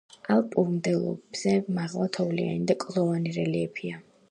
ალპური მდელოებზე მაღლა თოვლიანი და კლდოვანი რელიეფია.